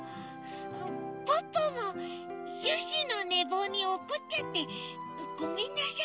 ポッポもシュッシュのねぼうにおこっちゃってごめんなさい。